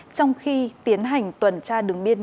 trong khi tiến hành tuần tra đứng biên